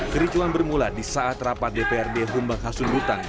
kericuan bermula di saat rapat dprd humbak hasundutan